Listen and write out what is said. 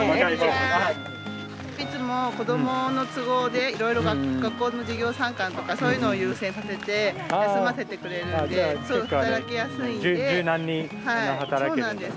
いつも子どもの都合でいろいろ学校の授業参観とかそういうのを優先させて休ませてくれるんで働きやすいんで。